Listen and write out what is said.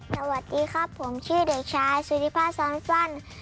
สวัสดีครับผมชื่อเด็กชายสุริพาซ้อนฟัน